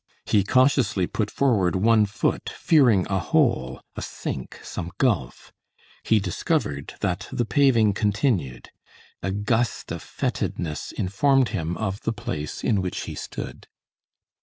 He cautiously put forward one foot, fearing a hole, a sink, some gulf; he discovered that the paving continued. A gust of fetidness informed him of the place in which he stood.